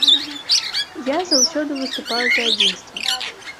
Я заўсёды выступаю за адзінства.